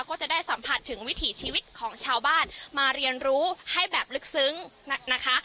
ก็จะได้สัมผัสถึงวิถีชีวิตของชาวบ้านมาเรียนรู้ให้แบบลึกซึ้งนะคะ